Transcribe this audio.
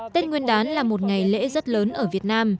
tết nguyên đán là một ngày lễ rất lớn ở việt nam